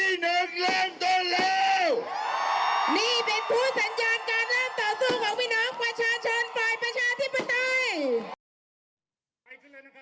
นี่เป็นพูดสัญญาการเริ่มต่อสู้ของพี่น้องประชาชนฝ่ายประชาธิปไตย